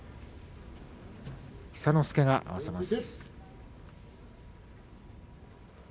寿之介が合わせます。